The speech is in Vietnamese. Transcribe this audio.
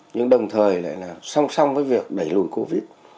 nhưng đồng thời lại là song song với việc đẩy lùi covid